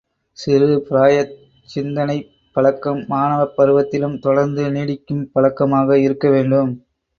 சிறு பிராயத்துச் சிந்தனைப் பழக்கம் மாணவப் பருவத்திலும் தொடர்ந்து நீடிக்கும் பழக்கமாக இருக்க வேண்டும்.